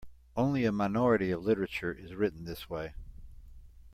Only a minority of literature is written this way.